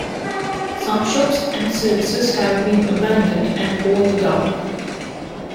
Some shops and services have been abandoned and boarded up.